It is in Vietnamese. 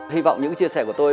hy vọng những chia sẻ của tôi